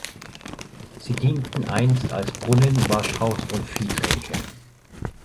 Sie dienten einst als Brunnen, Waschhaus und Viehtränke.